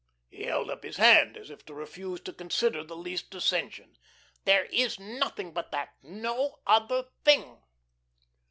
He held up his hand, as if to refuse to consider the least dissention. "There is nothing but that no other thing."